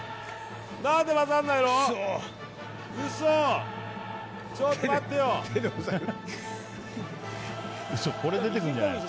何で混ざんないの！